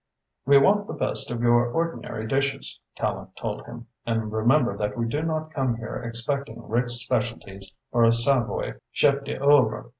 "We want the best of your ordinary dishes," Tallente told him, "and remember that we do not come here expecting Ritz specialities or a Savoy chef d'oeuvre.